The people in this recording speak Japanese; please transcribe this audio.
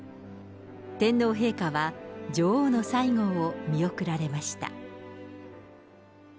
天皇陛下は女王の最後を見送られました。